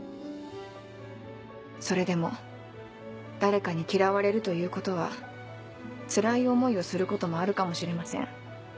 それでも誰かに嫌われるということはつらい思いをすることもあるかもしれません。